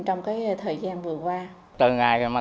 trong thời gian vừa qua